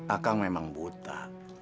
akang memang buta